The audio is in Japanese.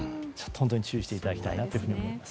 注意していただきたいと思います。